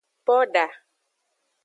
Poda.